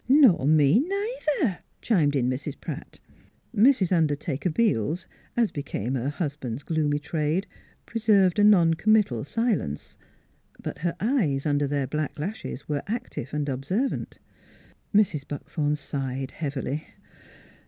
" Nor me, neither," chimed in Mrs. Pratt. Mrs. Undertaker Beels, as became her hus band's gloomy trade, preserved a non committal silence. But her eyes under their black lashes were active and observant. Mrs. Buckthorn sighed heavily.